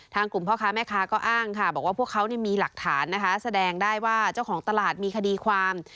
กลุ่มพ่อค้าแม่ค้าก็อ้างค่ะบอกว่าพวกเขามีหลักฐานนะคะแสดงได้ว่าเจ้าของตลาดมีคดีความ